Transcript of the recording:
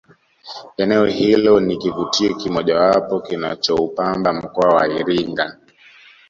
eneo hilo ni kivutio kimojawapo kinachoupamba mkoa wa iringa